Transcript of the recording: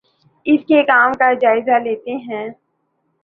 اُن کے کام کا جائزہ لیتے ہیں